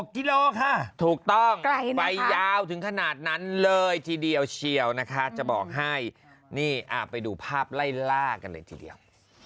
กิโลค่ะถูกต้องไปยาวถึงขนาดนั้นเลยทีเดียวเชียวนะคะจะบอกให้นี่ไปดูภาพไล่ล่ากันเลยทีเดียว